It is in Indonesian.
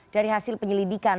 dari hasil penyelidikan